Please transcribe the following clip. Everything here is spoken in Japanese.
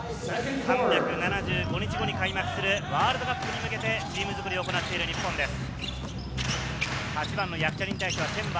３７５日後に開幕するワールドカップに向けてチーム作りを行ってる日本です。